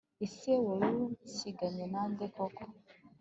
se warunsiganye nande koko